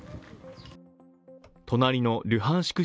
隣のルハンシク